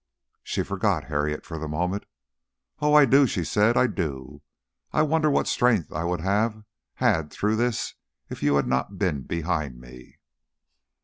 She forgot Harriet for the moment. "Oh, I do," she said, "I do! I wonder what strength I would have had through this if you had not been behind me."